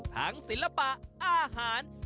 ทั้งศิลปะอาหาร